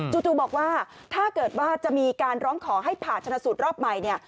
จู่บอกว่าถ้าเกิดว่าจะมีการร้องขอให้ผ่าชนะสูตรรอบใหม่เนี่ย